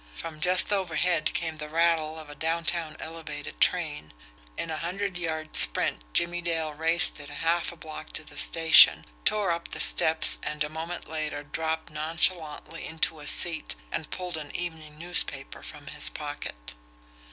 From just overhead came the rattle of a downtown elevated train. In a hundred yard sprint, Jimmie Dale raced it a half block to the station, tore up the steps and a moment later dropped nonchalantly into a seat and pulled an evening newspaper from his pocket.